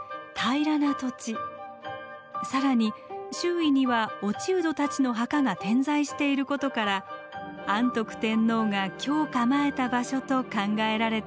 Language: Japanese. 更に周囲には落人たちの墓が点在していることから安徳天皇が居を構えた場所と考えられているそうです。